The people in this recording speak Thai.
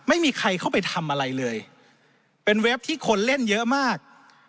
ไม่มีใครเข้าไปทำอะไรเลยเป็นเว็บที่คนเล่นเยอะมาก